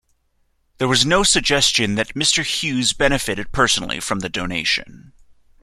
There was no suggestion that Mr Hughes benefited personally from the donation.